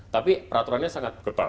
tapi peraturannya sangat ketat